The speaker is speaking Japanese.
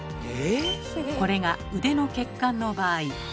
これが腕の血管の場合。